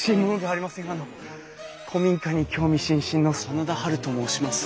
あの古民家に興味津々の真田ハルと申します。